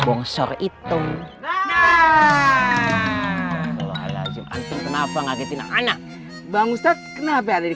yang sore itu nah allah alazim antum kenapa ngagetin anak anak bang ustadz kenapa ada di